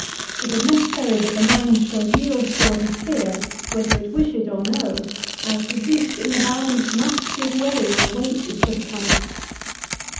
" It is necessary that the mind shall yield to what is clear, whether it wish it or no, as the dish in a balance must give way, when a weight is put upon it."